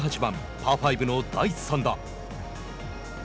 パー５の第３打。